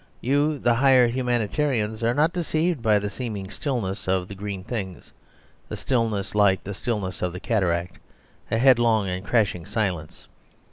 You, the higher humanitarians, are not deceived by the seeming stillness of the green things, a stillness like the stillness of the cataract, a headlong and crashing silence.